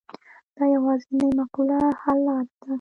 دا یوازینۍ معقوله حل لاره ده.